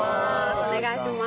お願いします。